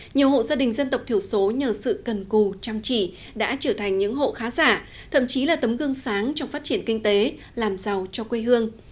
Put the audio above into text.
nhiều hộ gia đình dân tộc thiểu số nhờ sự cần cù chăm chỉ đã trở thành những hộ khá giả thậm chí là tấm gương sáng trong phát triển kinh tế làm giàu cho quê hương